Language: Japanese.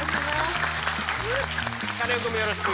カネオくんもよろしく。